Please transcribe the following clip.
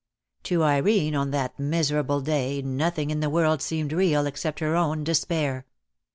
To Irene on that miserable day nothing in the world seemed real except her own despair.